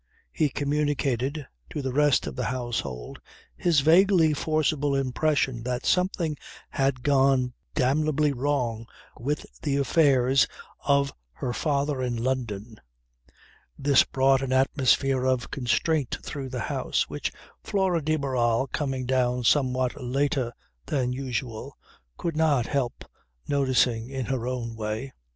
He communicated to the rest of the household his vaguely forcible impression that something had gone d bly wrong with the affairs of "her father in London." This brought an atmosphere of constraint through the house, which Flora de Barral coming down somewhat later than usual could not help noticing in her own way.